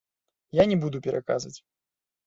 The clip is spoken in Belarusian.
Я не буду пераказваць.